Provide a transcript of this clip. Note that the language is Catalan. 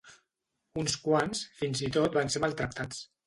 Uns quants fins i tot van ser maltractats.